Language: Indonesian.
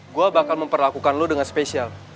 gue bakal memperlakukan lo dengan spesial